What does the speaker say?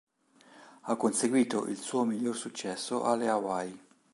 Ha conseguito il suo miglior successo alle Hawaii.